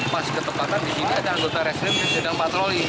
masih ketepatan di sini ada anggota restrim yang sedang patroli